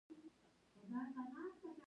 د بایسکل سیټ باید سالم وي.